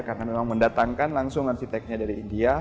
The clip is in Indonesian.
karena memang mendatangkan langsung arsiteknya dari india